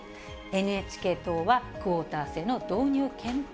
ＮＨＫ党はクオータ制の導入検討。